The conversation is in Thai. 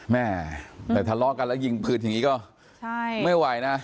แม่แต่ทะเลาะกันแล้วยิงปืนอย่างนี้ก็ไม่ไหวนะ